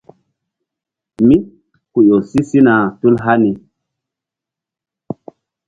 Mí ku ƴo si sina tul hani.